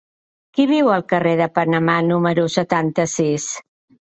Qui viu al carrer de Panamà número setanta-sis?